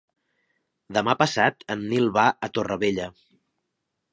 Demà passat en Nil va a Torrevella.